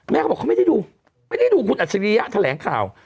เขาบอกเขาไม่ได้ดูไม่ได้ดูคุณอัจฉริยะแถลงข่าว